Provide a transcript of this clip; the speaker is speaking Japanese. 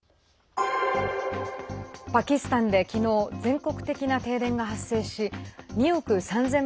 パキスタンで昨日、全国的な停電が発生し２億３０００万